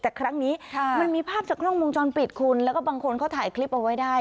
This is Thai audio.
แต่ครั้งนี้มันมีภาพจากกล้องวงจรปิดคุณแล้วก็บางคนเขาถ่ายคลิปเอาไว้ได้